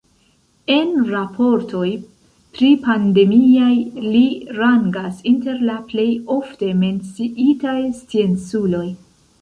En raportoj pripandemiaj li rangas inter la plej ofte menciitaj scienculoj.